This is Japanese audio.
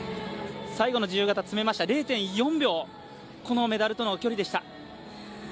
最後の自由形詰めました、０．４秒、メダルとの距離でした。